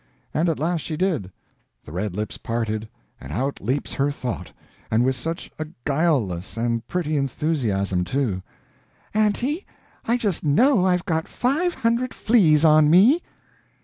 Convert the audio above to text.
And at last she did; the red lips parted, and out leaps her thought and with such a guileless and pretty enthusiasm, too: "Auntie, I just KNOW I've got five hundred fleas on me!"